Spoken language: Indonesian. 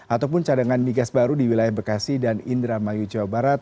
ataupun cadangan migas baru di wilayah bekasi dan indramayu jawa barat